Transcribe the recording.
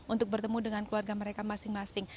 untuk bertemu dengan keluarga mereka masing masing